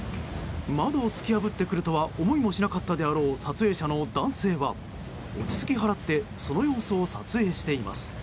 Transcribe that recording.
窓を突き破ってくるとは思いもしなかったであろう撮影者の男性は落ち着き払ってその様子を撮影しています。